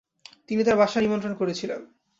তিনি তার বাসায় নিমন্ত্রণ করেছিলেন।